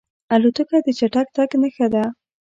الوتکه د چټک تګ نښه ده.